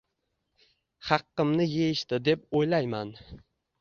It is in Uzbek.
haqqimni yeyishdi deb o‘ylayman.